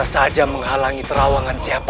bisa saja menghalangi terawangan siapapun